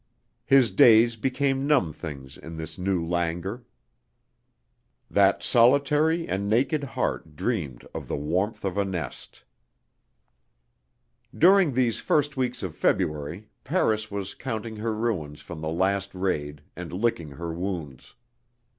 His days became numb things in this new languor. That solitary and naked heart dreamed of the warmth of a nest. During these first weeks of February, Paris was counting her ruins from the last raid and licking her wounds.